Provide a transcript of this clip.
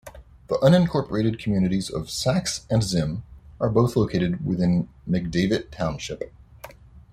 The unincorporated communities of Sax and Zim are both located within McDavitt Township.